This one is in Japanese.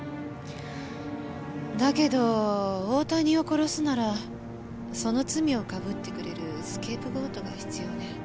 だけど大谷を殺すならその罪を被ってくれるスケープゴートが必要ね。